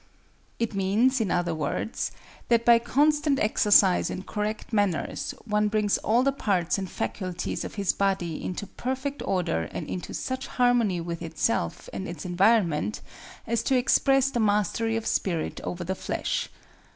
It means, in other words, that by constant exercise in correct manners, one brings all the parts and faculties of his body into perfect order and into such harmony with itself and its environment as to express the mastery of spirit over the flesh.